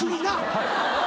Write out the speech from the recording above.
はい。